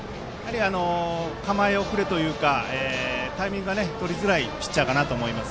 構え遅れというかタイミングがとりづらいピッチャーかなと思います。